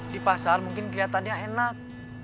di pasar mungkin kelihatannya enak